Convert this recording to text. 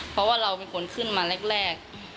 เพราะว่าเราเป็นคนขึ้นมาแรก